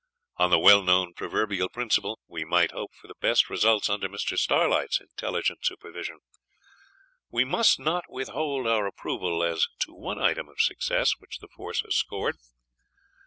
On the well known proverbial principle we might hope for the best results under Mr. Starlight's intelligent supervision. We must not withhold our approval as to one item of success which the force has scored.